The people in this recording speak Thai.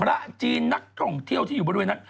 พระจีนนักท่องเที่ยวที่อยู่บริเวณนั้น